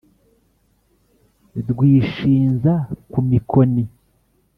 r wishinza ku mikoni